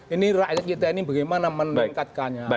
ini rakyat kita ini bagaimana meningkatkannya